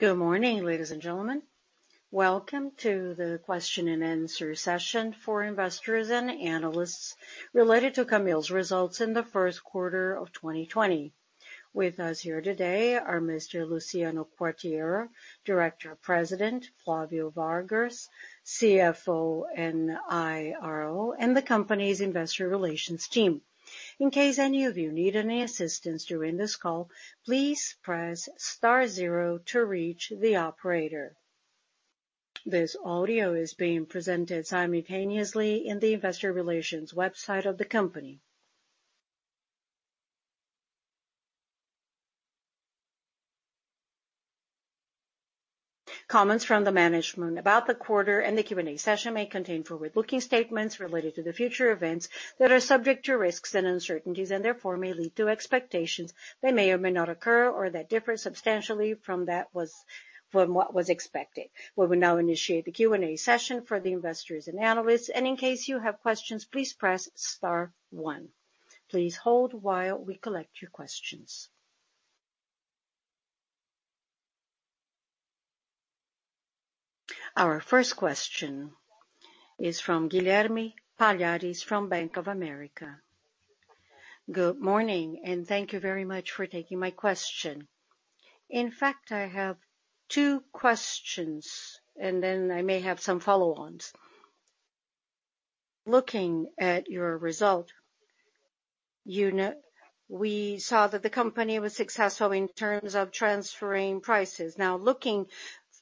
Good morning, ladies and gentlemen. Welcome to the question and answer session for investors and analysts related to Camil's results in the first quarter of 2020. With us here today are Mr. Luciano Quartiero, Director, President Flavio Vargas, CFO and IRO, and the company's investor relations team. In case any of you need any assistance during this call, please press star zero to reach the operator. This audio is being presented simultaneously in the investor relations website of the company. Comments from the management about the quarter and the Q&A session may contain forward-looking statements related to the future events that are subject to risks and uncertainties, and therefore may lead to expectations that may or may not occur or that differ substantially from what was expected. We will now initiate the Q&A session for the investors and analysts, and in case you have questions, please press star one. Please hold while we collect your questions. Our first question is from Guilherme Pigliari from Bank of America. Good morning. Thank you very much for taking my question. In fact, I have two questions. I may have some follow-ons. Looking at your result, we saw that the company was successful in terms of transferring prices. Now, looking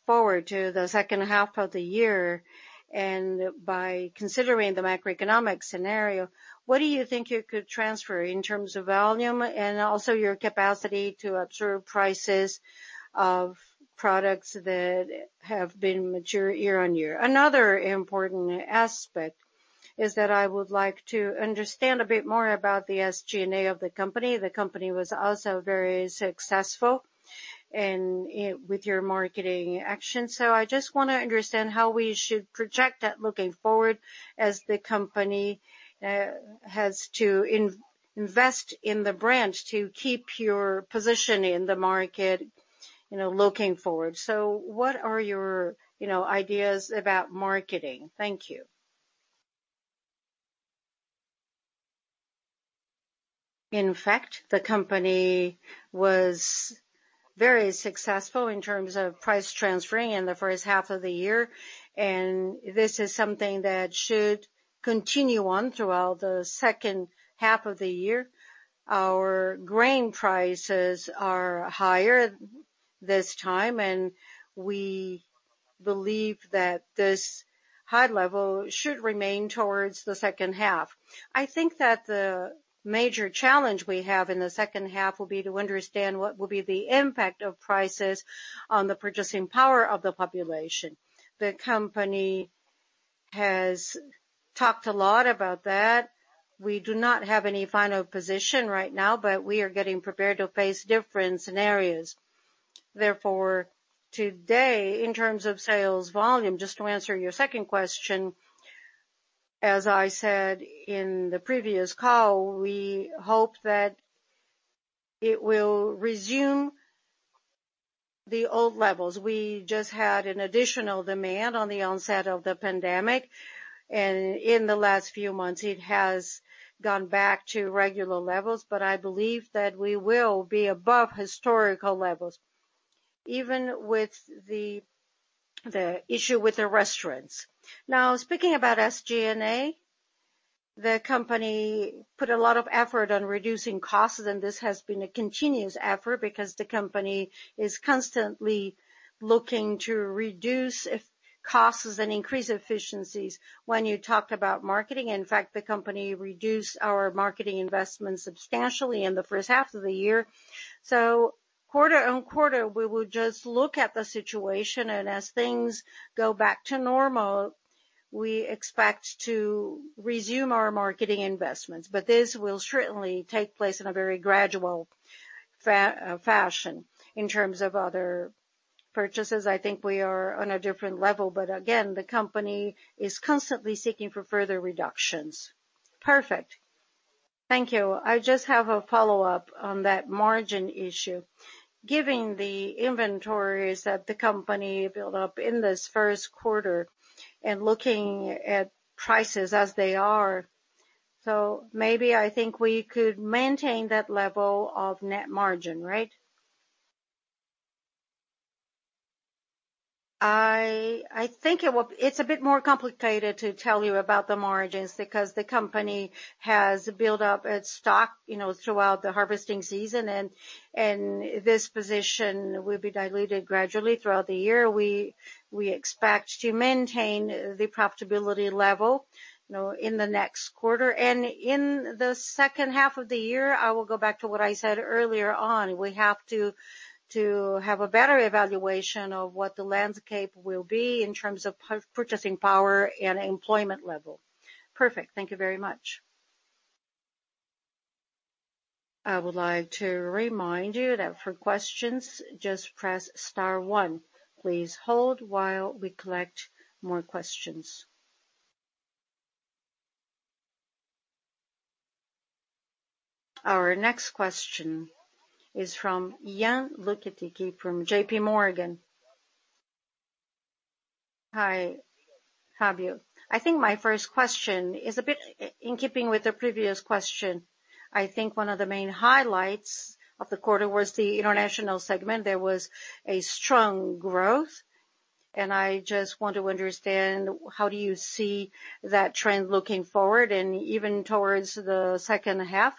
forward to the second half of the year and by considering the macroeconomic scenario, what do you think you could transfer in terms of volume and also your capacity to observe prices of products that have been mature year-on-year? Another important aspect is that I would like to understand a bit more about the SG&A of the company. The company was also very successful with your marketing action. I just want to understand how we should project that looking forward as the company has to invest in the brand to keep your position in the market looking forward. What are your ideas about marketing? Thank you. In fact, the company was very successful in terms of price transferring in the first half of the year, and this is something that should continue on throughout the second half of the year. Our grain prices are higher this time, and we believe that this high level should remain towards the second half. I think that the major challenge we have in the second half will be to understand what will be the impact of prices on the purchasing power of the population. The company has talked a lot about that. We do not have any final position right now, but we are getting prepared to face different scenarios. Today, in terms of sales volume, just to answer your second question, as I said in the previous call, we hope that it will resume the old levels. We just had an additional demand on the onset of the pandemic, and in the last few months it has gone back to regular levels, but I believe that we will be above historical levels even with the issue with the restaurants. Speaking about SG&A, the company put a lot of effort on reducing costs, and this has been a continuous effort because the company is constantly looking to reduce costs and increase efficiencies. When you talked about marketing, in fact, the company reduced our marketing investment substantially in the first half of the year. Quarter-over-quarter, we will just look at the situation, and as things go back to normal, we expect to resume our marketing investments. This will certainly take place in a very gradual fashion. In terms of other purchases, I think we are on a different level, but again, the company is constantly seeking for further reductions. Perfect. Thank you. I just have a follow-up on that margin issue. Given the inventories that the company built up in this first quarter and looking at prices as they are, maybe I think we could maintain that level of net margin, right? I think it's a bit more complicated to tell you about the margins because the company has built up its stock throughout the harvesting season, and this position will be diluted gradually throughout the year. We expect to maintain the profitability level in the next quarter. In the second half of the year, I will go back to what I said earlier on, we have to have a better evaluation of what the landscape will be in terms of purchasing power and employment level. Perfect. Thank you very much. I would like to remind you that for questions, just press star one. Please hold while we collect more questions. Our next question is from Lucas Ferreira from JPMorgan. Hi, Flavio. I think my first question is a bit in keeping with the previous question. I think one of the main highlights of the quarter was the international segment. There was a strong growth, I just want to understand how do you see that trend looking forward and even towards the second half.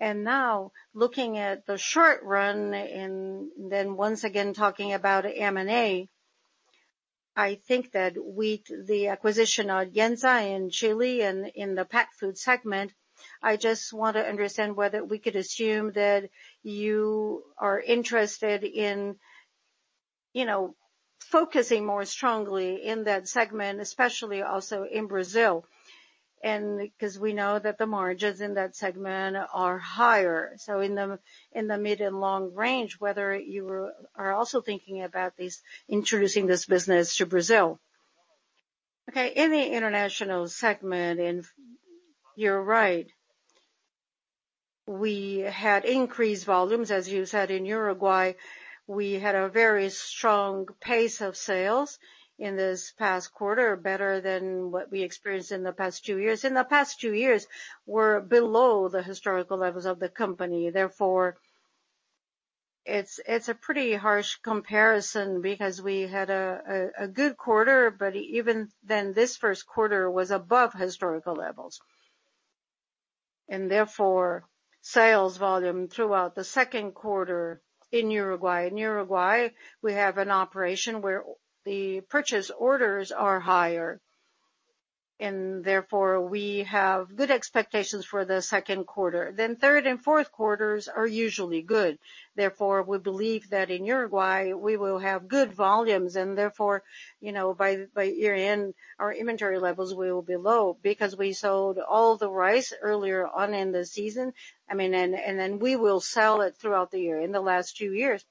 Now, looking at the short run and then once again talking about M&A, I think that with the acquisition of Iansa in Chile and in the pet food segment, I just want to understand whether we could assume that you are interested in focusing more strongly in that segment, especially also in Brazil. Because we know that the margins in that segment are higher, so in the mid and long range, whether you are also thinking about introducing this business to Brazil. Okay, in the international segment, and you're right, we had increased volumes. As you said, in Uruguay, we had a very strong pace of sales in this past quarter, better than what we experienced in the past two years. In the past two years, we're below the historical levels of the company. It's a pretty harsh comparison because we had a good quarter, but even then, this first quarter was above historical levels. Sales volume throughout the second quarter in Uruguay, in Uruguay, we have an operation where the purchase orders are higher, and therefore, we have good expectations for the second quarter. Third and fourth quarters are usually good. We believe that in Uruguay, we will have good volumes, and therefore, by year-end, our inventory levels will be low because we sold all the rice earlier on in the season. We will sell it throughout the year. In the last two years,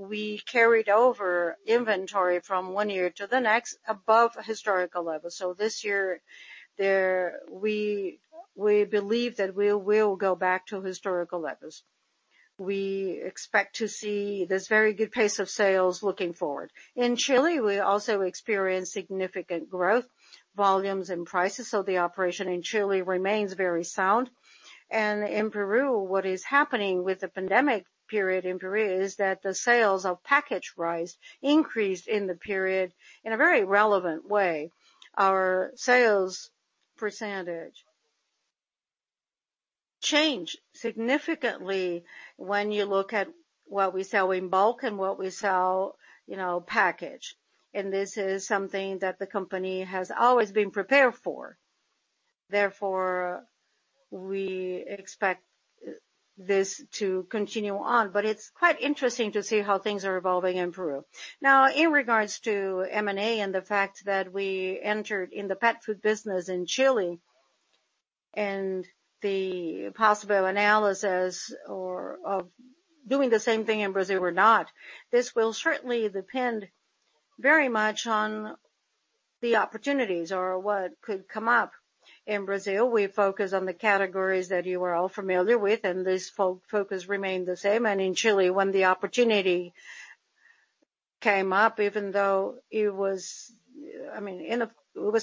we carried over inventory from one year to the next above historical levels. This year, we believe that we will go back to historical levels. We expect to see this very good pace of sales looking forward. In Chile, we also experienced significant growth, volumes, and prices, so the operation in Chile remains very sound. In Peru, what is happening with the pandemic period in Peru is that the sales of packaged rice increased in the period in a very relevant way. Our sales percentage changed significantly when you look at what we sell in bulk and what we sell packaged. This is something that the company has always been prepared for. Therefore, we expect this to continue on, but it's quite interesting to see how things are evolving in Peru. Now, in regards to M&A and the fact that we entered in the pet food business in Chile and the possible analysis of doing the same thing in Brazil or not, this will certainly depend very much on the opportunities or what could come up. In Brazil, we focus on the categories that you are all familiar with, and this focus remained the same. In Chile, when the opportunity came up, even though it was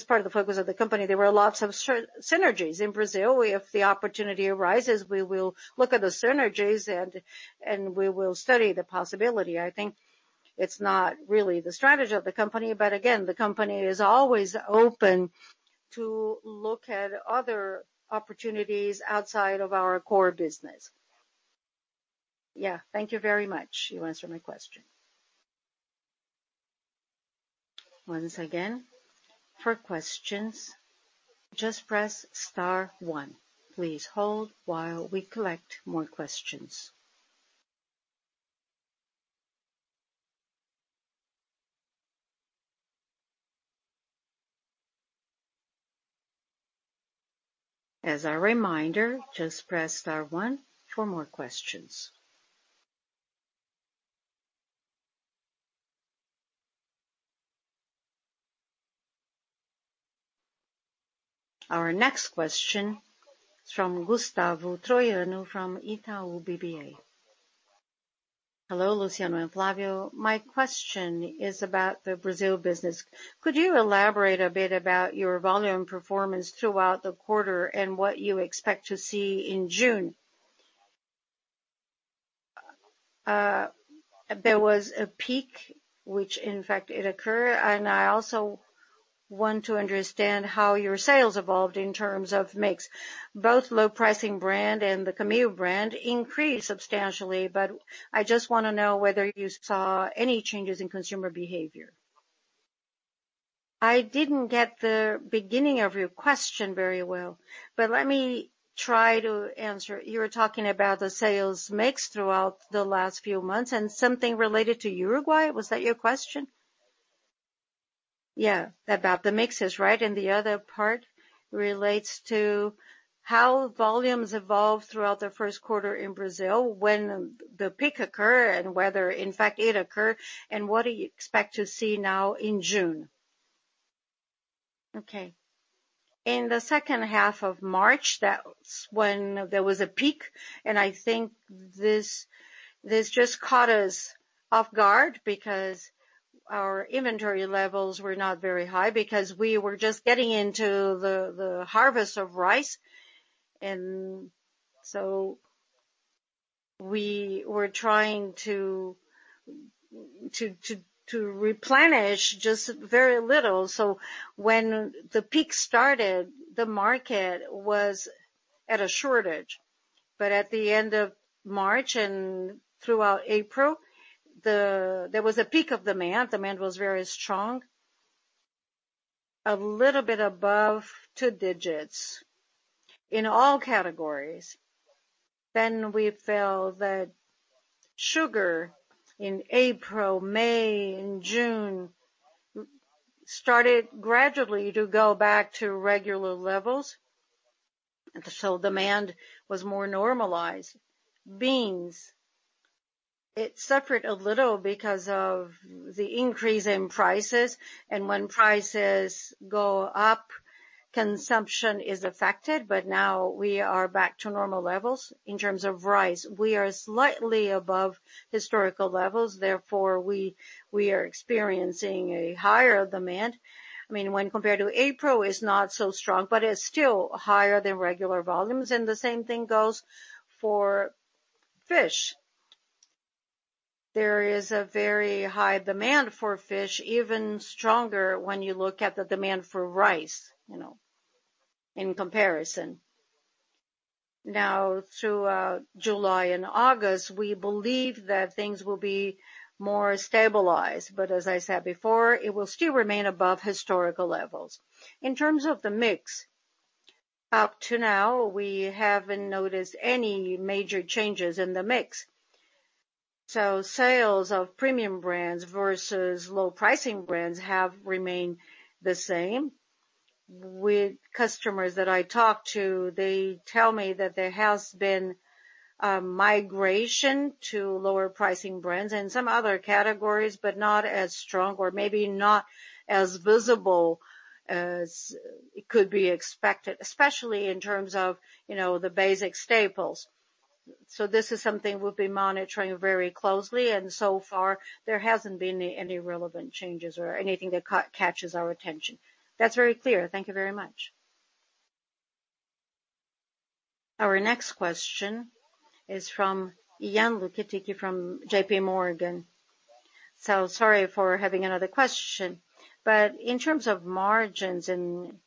part of the focus of the company, there were lots of synergies. In Brazil, if the opportunity arises, we will look at the synergies, and we will study the possibility. I think it's not really the strategy of the company, but again, the company is always open to look at other opportunities outside of our core business. Yeah. Thank you very much. You answered my question. Once again, for questions, just press star one. Please hold while we collect more questions. As a reminder, just press star one for more questions. Our next question is from Gustavo Troiano from Itaú BBA. Hello, Luciano and Flavio. My question is about the Brazil business. Could you elaborate a bit about your volume performance throughout the quarter and what you expect to see in June? There was a peak, which in fact it occurred, and I also want to understand how your sales evolved in terms of mix. Both low pricing brand and the Camil brand increased substantially, but I just want to know whether you saw any changes in consumer behavior. I didn't get the beginning of your question very well, but let me try to answer. You were talking about the sales mix throughout the last few months and something related to Uruguay. Was that your question? Yeah. About the mixes, right? The other part relates to how volumes evolved throughout the first quarter in Brazil when the peak occurred and whether in fact it occurred, and what do you expect to see now in June? Okay. In the second half of March, that's when there was a peak, I think this just caught us off guard because our inventory levels were not very high, because we were just getting into the harvest of rice. We were trying to replenish just very little. When the peak started, the market was at a shortage. At the end of March and throughout April, there was a peak of demand. Demand was very strong, a little bit above 2 digits in all categories. We felt that sugar in April, May, and June started gradually to go back to regular levels, demand was more normalized. Beans, it suffered a little because of the increase in prices, when prices go up, consumption is affected. Now we are back to normal levels. In terms of rice, we are slightly above historical levels, therefore, we are experiencing a higher demand. When compared to April, it's not so strong, but it's still higher than regular volumes, and the same thing goes for fish. There is a very high demand for fish, even stronger when you look at the demand for rice, in comparison. Throughout July and August, we believe that things will be more stabilized. As I said before, it will still remain above historical levels. In terms of the mix, up to now, we haven't noticed any major changes in the mix. Sales of premium brands versus low pricing brands have remained the same. With customers that I talk to, they tell me that there has been a migration to lower pricing brands in some other categories, but not as strong or maybe not as visible as could be expected, especially in terms of the basic staples. This is something we'll be monitoring very closely, and so far, there hasn't been any relevant changes or anything that catches our attention. That's very clear. Thank you very much. Our next question is from Lucas Ferreira from JP Morgan. Sorry for having another question. In terms of margins and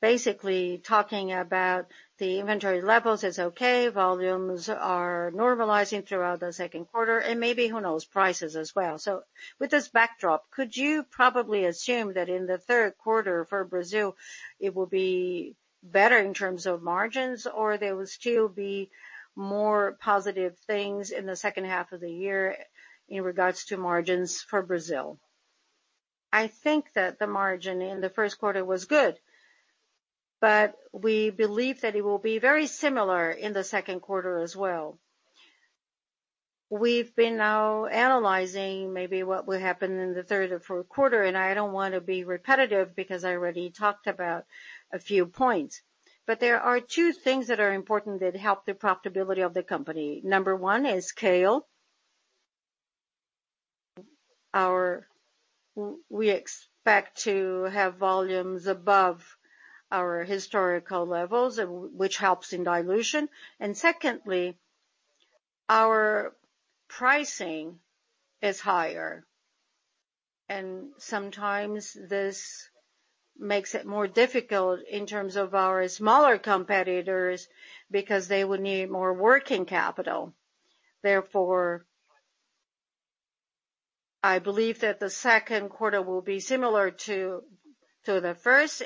basically talking about the inventory levels is okay, volumes are normalizing throughout the second quarter, and maybe, who knows, prices as well. With this backdrop, could you probably assume that in the third quarter for Brazil, it will be better in terms of margins, or there will still be more positive things in the second half of the year in regards to margins for Brazil? I think that the margin in the first quarter was good, but we believe that it will be very similar in the second quarter as well. We've been now analyzing maybe what will happen in the third or fourth quarter, and I don't want to be repetitive because I already talked about a few points. There are two things that are important that help the profitability of the company. Number one is scale. We expect to have volumes above our historical levels, which helps in dilution. Secondly, our pricing is higher, and sometimes this makes it more difficult in terms of our smaller competitors because they would need more working capital. I believe that the second quarter will be similar to the first.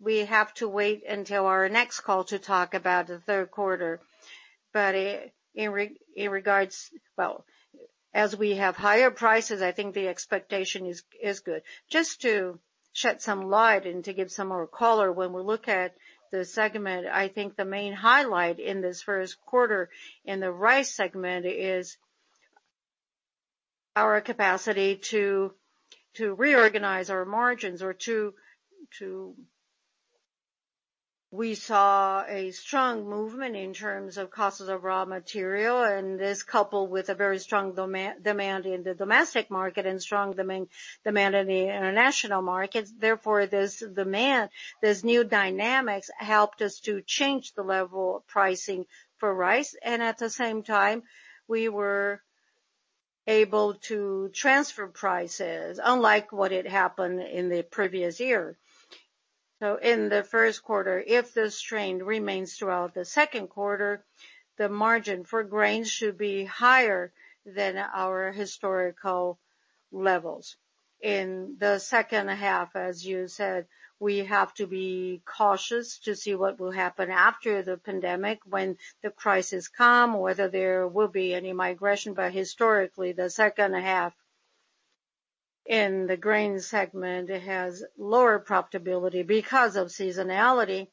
We have to wait until our next call to talk about the third quarter. Well, as we have higher prices, I think the expectation is good. Just to shed some light and to give some more color, when we look at the segment, I think the main highlight in this first quarter in the rice segment is our capacity to reorganize our margins. We saw a strong movement in terms of costs of raw material. This coupled with a very strong demand in the domestic market and strong demand in the international markets. This demand, this new dynamics, helped us to change the level of pricing for rice. At the same time, we were able to transfer prices, unlike what had happened in the previous year. In the first quarter, if this trend remains throughout the second quarter, the margin for grains should be higher than our historical levels. In the second half, as you said, we have to be cautious to see what will happen after the pandemic when the prices come, or whether there will be any migration. Historically, the second half in the grains segment has lower profitability because of seasonality.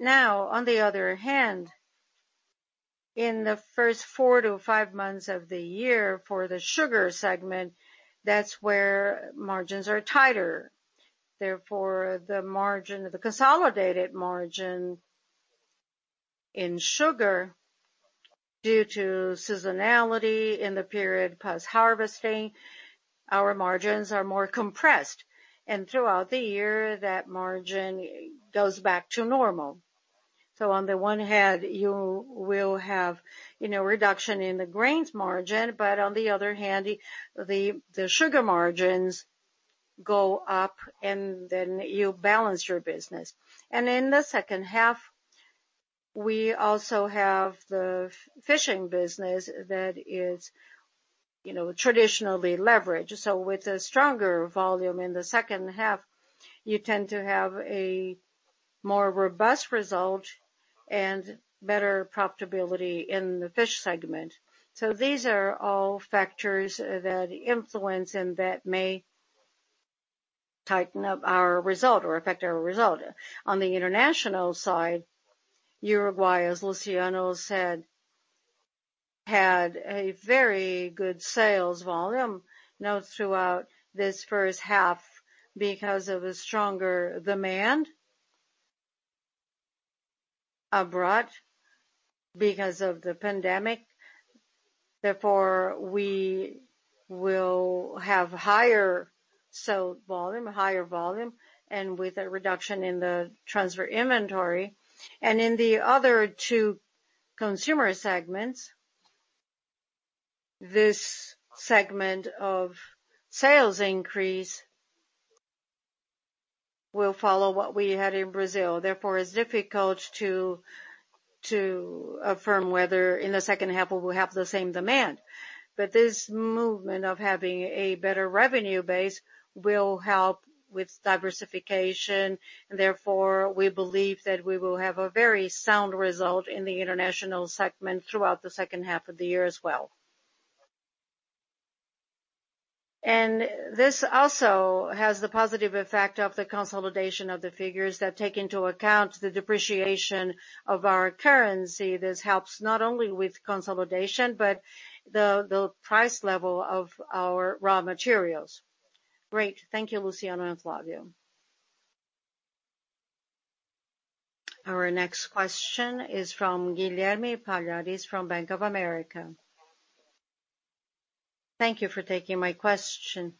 Now, on the other hand. In the first four to five months of the year for the sugar segment, that's where margins are tighter. The consolidated margin in sugar, due to seasonality in the period post-harvesting, our margins are more compressed. Throughout the year, that margin goes back to normal. On the one hand, you will have reduction in the grains margin, but on the other hand, the sugar margins go up, and then you balance your business. In the second half, we also have the fishing business that is traditionally leveraged. With a stronger volume in the second half, you tend to have a more robust result and better profitability in the fish segment. These are all factors that influence and that may tighten up our result or affect our result. On the international side, Uruguay, as Luciano said, had a very good sales volume throughout this first half because of the stronger demand abroad because of the pandemic. Therefore, we will have higher sold volume, higher volume, and with a reduction in the transfer inventory. In the other two consumer segments, this segment of sales increase will follow what we had in Brazil. Therefore, it's difficult to affirm whether in the second half we will have the same demand. This movement of having a better revenue base will help with diversification, and therefore, we believe that we will have a very sound result in the international segment throughout the second half of the year as well. This also has the positive effect of the consolidation of the figures that take into account the depreciation of our currency. This helps not only with consolidation but the price level of our raw materials. Great. Thank you, Luciano and Flavio. Our next question is from Guilherme Pigliari from Bank of America. Thank you for taking my question.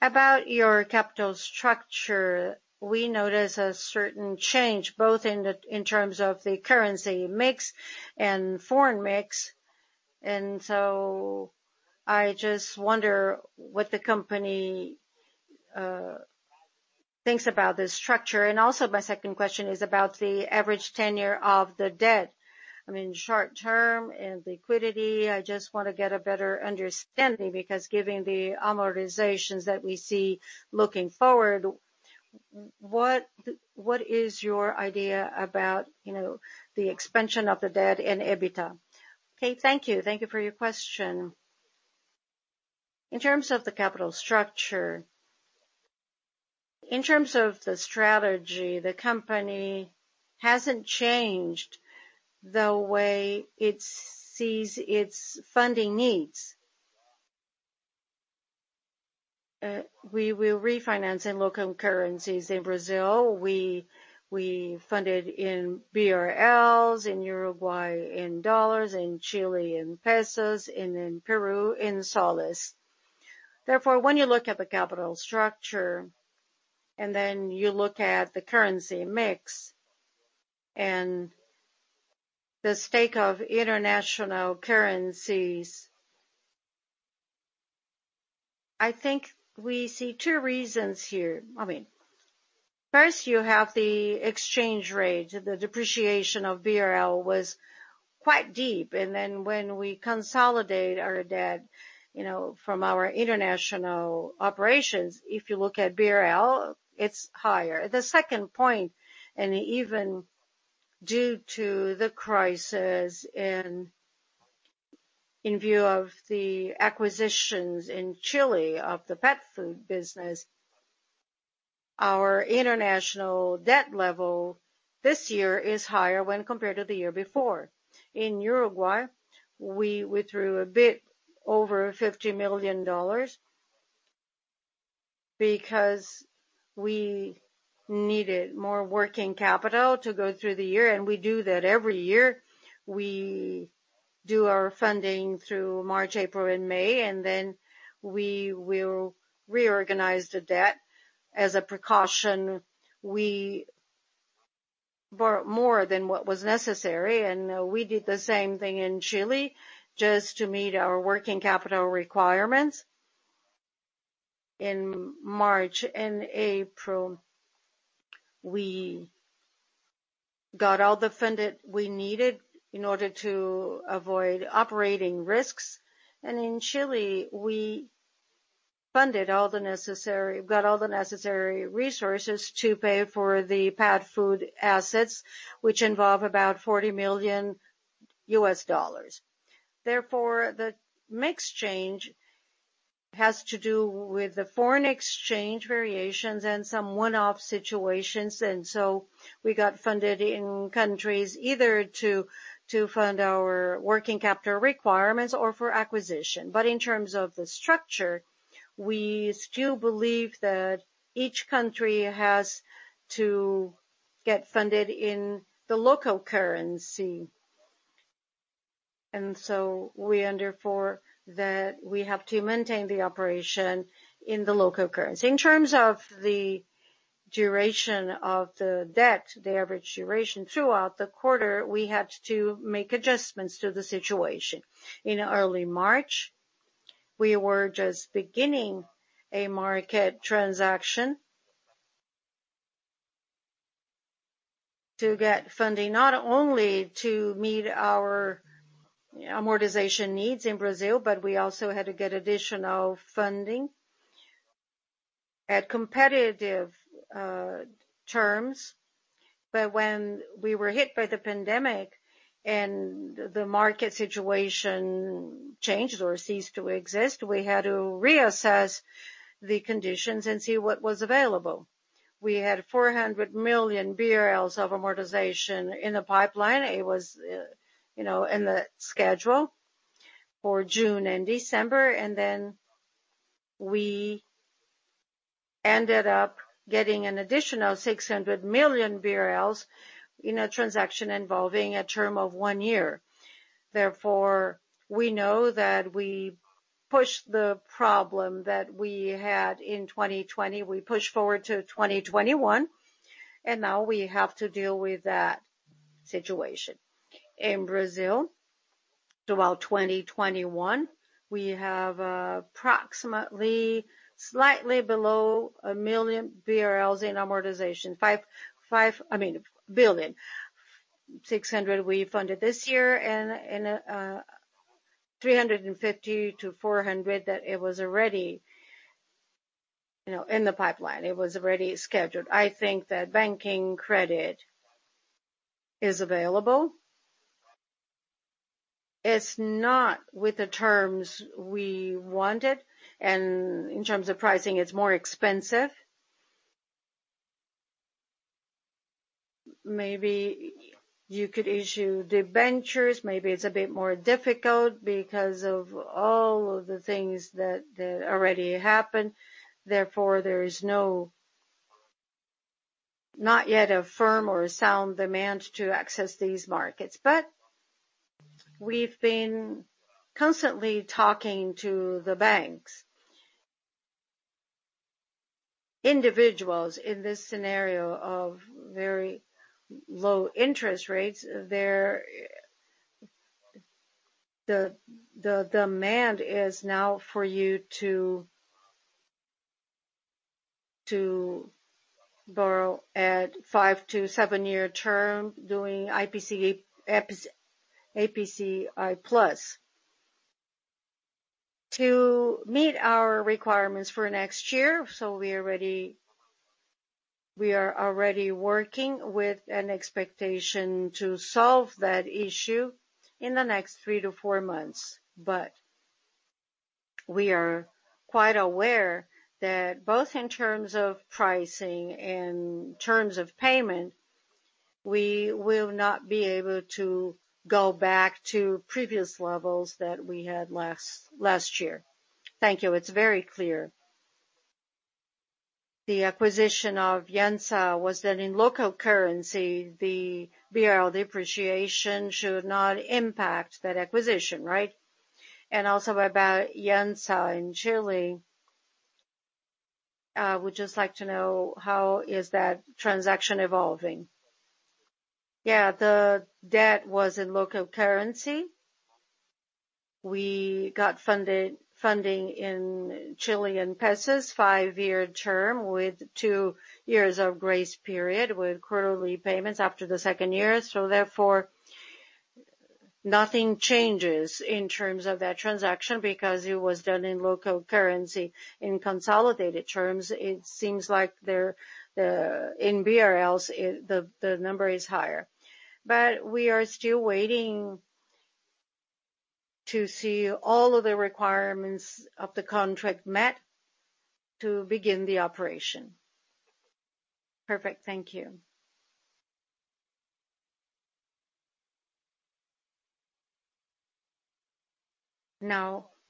About your capital structure, we notice a certain change both in terms of the currency mix and foreign mix. I just wonder what the company thinks about this structure. Also my second question is about the average tenure of the debt. I mean, short-term and liquidity, I just want to get a better understanding because given the amortizations that we see looking forward, what is your idea about the expansion of the debt and EBITDA? Okay. Thank you. Thank you for your question. In terms of the capital structure, in terms of the strategy, the company hasn't changed the way it sees its funding needs. We will refinance in local currencies in Brazil. We funded in BRL, in Uruguay in USD, in Chile in CLP, and in Peru in PEN. Therefore, when you look at the capital structure then you look at the currency mix and the stake of international currencies, I think we see two reasons here. First, you have the exchange rate. The depreciation of BRL was quite deep. Then when we consolidate our debt from our international operations, if you look at BRL, it's higher. The second point, even due to the crisis and in view of the acquisitions in Chile of the pet food business, our international debt level this year is higher when compared to the year before. In Uruguay, we withdrew a bit over $50 million because we needed more working capital to go through the year, we do that every year. We do our funding through March, April, and May, then we will reorganize the debt. As a precaution, we borrowed more than what was necessary, and we did the same thing in Chile just to meet our working capital requirements. In March and April, we got all the funding we needed in order to avoid operating risks. In Chile, we got all the necessary resources to pay for the pet food assets, which involve about $40 million. Therefore, the mix change has to do with the foreign exchange variations and some one-off situations. We got funded in countries either to fund our working capital requirements or for acquisition. In terms of the structure, we still believe that each country has to get funded in the local currency. We understand that, we have to maintain the operation in the local currency. In terms of the duration of the debt, the average duration throughout the quarter, we had to make adjustments to the situation. In early March, we were just beginning a market transaction to get funding, not only to meet our amortization needs in Brazil, but we also had to get additional funding at competitive terms. When we were hit by the pandemic and the market situation changed or ceased to exist, we had to reassess the conditions and see what was available. We had 400 million BRL of amortization in the pipeline. It was in the schedule for June and December, and then we ended up getting an additional 600 million BRL in a transaction involving a term of one year. We know that we pushed the problem that we had in 2020, we pushed forward to 2021, and now we have to deal with that situation. In Brazil, throughout 2021, we have approximately slightly below 1 billion BRL in amortization. I mean, 1 billion. 600 we funded this year and 350-400 that it was already in the pipeline. It was already scheduled. I think that banking credit is available. It's not with the terms we wanted. In terms of pricing, it's more expensive. Maybe you could issue debentures. Maybe it's a bit more difficult because of all of the things that already happened. There is not yet a firm or a sound demand to access these markets. We've been constantly talking to the banks. Individuals in this scenario of very low interest rates, the demand is now for you to borrow at five to seven-year term doing IPCA plus. To meet our requirements for next year, so we are already working with an expectation to solve that issue in the next three to four months. We are quite aware that both in terms of pricing and terms of payment, we will not be able to go back to previous levels that we had last year. Thank you. It's very clear. The acquisition of Iansa was done in local currency. The BRL depreciation should not impact that acquisition, right? Also about Iansa in Chile, would just like to know how is that transaction evolving. Yeah, the debt was in local currency. We got funding in Chilean pesos, five-year term with two years of grace period, with quarterly payments after the second year. Therefore, nothing changes in terms of that transaction because it was done in local currency. In consolidated terms, it seems like in BRL, the number is higher. We are still waiting to see all of the requirements of the contract met to begin the operation. Perfect. Thank you.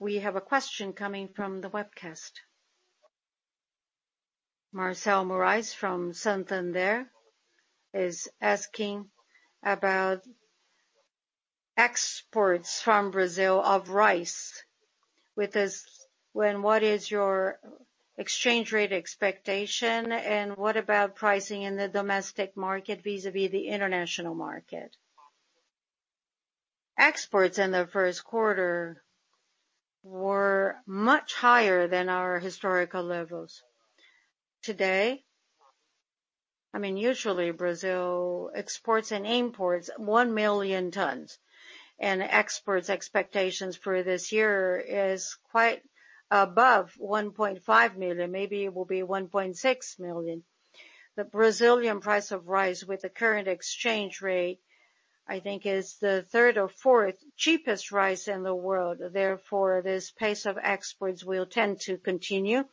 We have a question coming from the webcast. Marcel Moraes from Santander is asking about exports from Brazil of rice. What is your exchange rate expectation, and what about pricing in the domestic market vis-à-vis the international market? Exports in the first quarter were much higher than our historical levels. Today, usually Brazil exports and imports 1 million tons, and exports expectations for this year is quite above 1.5 million. Maybe it will be 1.6 million. The Brazilian price of rice with the current exchange rate, I think, is the third or fourth cheapest rice in the world. This pace of exports will tend to continue.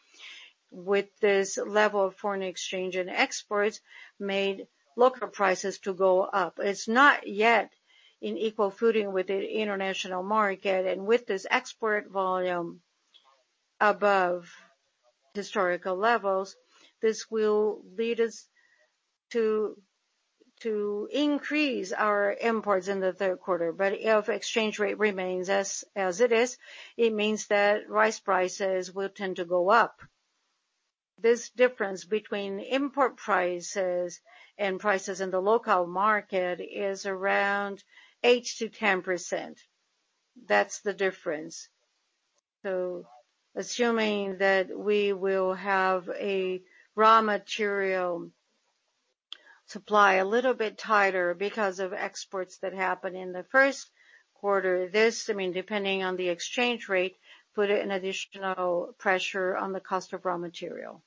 With this level of foreign exchange and exports made local prices to go up. It's not yet in equal footing with the international market. With this export volume above historical levels, this will lead us to increase our imports in the third quarter. If exchange rate remains as it is, it means that rice prices will tend to go up. This difference between import prices and prices in the local market is around 8%-10%. That's the difference. Assuming that we will have a raw material supply a little bit tighter because of exports that happened in the first quarter, this, depending on the exchange rate, put an additional pressure on the cost of raw material.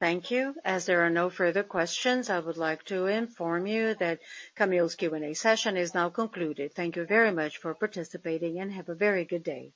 Thank you. As there are no further questions, I would like to inform you that Camil's Q&A session is now concluded. Thank you very much for participating, and have a very good day.